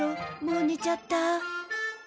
もうねちゃった？